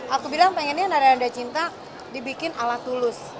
aku bilang pengennya nada nada cinta dibikin ala tulus